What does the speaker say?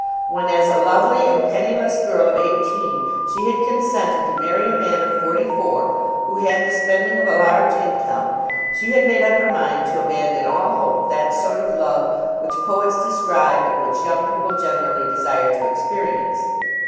When as a very lovely and penniless girl of eighteen she had consented to marry a man of forty four who had the spending of a large income, she had made up her mind to abandon all hope of that sort of love which poets describe and which young people generally desire to experience.